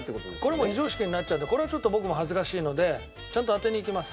もう非常識になっちゃうのでこれはちょっと僕も恥ずかしいのでちゃんと当てにいきます。